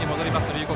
龍谷